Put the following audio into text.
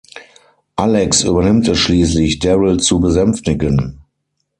Alex übernimmt es schließlich, Daryl zu besänftigen.